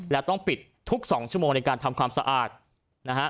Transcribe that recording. และต้องปิดทุก๒ชั่วโมงในการทำความสะอาดนะฮะ